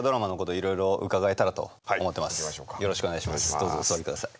どうぞお座りください。